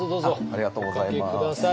ありがとうございます。